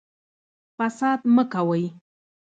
فساد مه کوئ